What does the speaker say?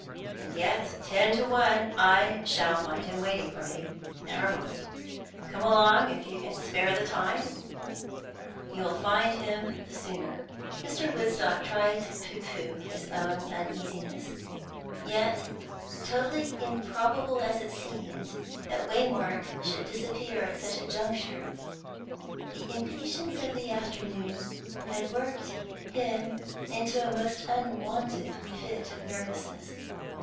And yet, ten to one, I shall find him waiting for me. Never mind, come along if you can spare the time; you'll find him the sooner." Mr. Woodstock tried to pooh pooh his own uneasiness; yet, totally improbable as it seemed that Waymark should disappear at such a juncture, the impatience of the afternoon had worked him into a most unwonted fit of nervousness.